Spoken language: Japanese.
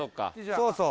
そうそう。